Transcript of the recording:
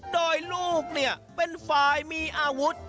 โดยลูกเป็นฝ่ายมีอาวุธ